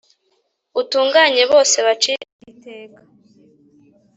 utunganye bose bacireho iteka